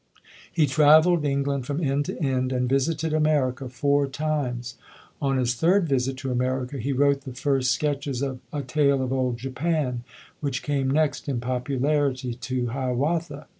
He traveled England from end to end and vis ited America four times. On his third visit to America, he wrote the first sketches of "A Tale of Old Japan", which came next in popularity to "Hiawatha".